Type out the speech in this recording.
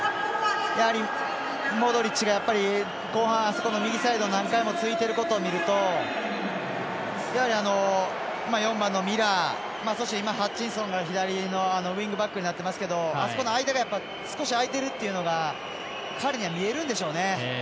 モドリッチが後半、あそこの右サイド何回も突いてるところを見ると４番のミラーそして、ハッチンソンが左のウイングバックになっていますけどあそこの間が少し空いてるっていうのが彼には見えるんでしょうね。